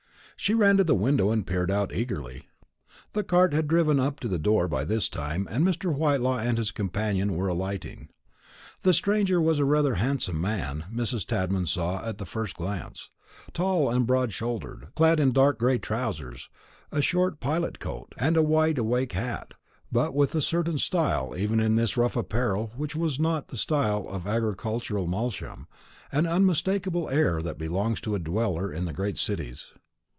She ran to the window and peered eagerly out. The cart had driven up to the door by this time, and Mr. Whitelaw and his companion were alighting. The stranger was rather a handsome man, Mrs. Tadman saw at the first glance, tall and broad shouldered, clad in dark gray trousers, a short pilot coat, and a wide awake hat; but with a certain style even in this rough apparel which was not the style of agricultural Malsham, an unmistakable air that belongs to a dweller in great cities.